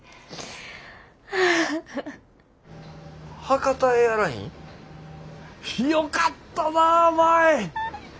ハカタエアライン？よかったなぁ舞！